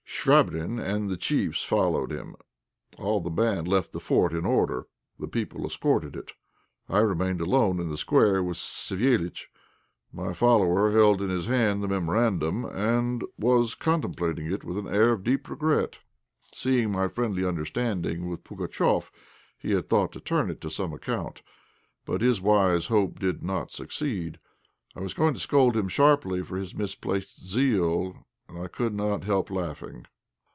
Chvabrine and the chiefs followed him. All the band left the fort in order. The people escorted it. I remained alone in the square with Savéliitch. My follower held in his hand the memorandum, and was contemplating it with an air of deep regret. Seeing my friendly understanding with Pugatchéf, he had thought to turn it to some account. But his wise hope did not succeed. I was going to scold him sharply for his misplaced zeal, and I could not help laughing.